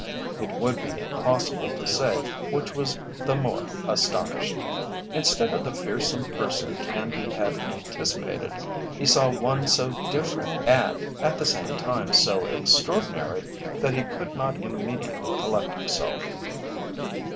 It would be impossible to say which was the more astonished. Instead of the fearsome person Canby had anticipated, he saw one so different and at the same time so extraordinary that he could not immediately collect himself.